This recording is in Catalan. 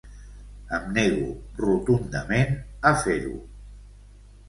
Em nego rotundament a fer-ho!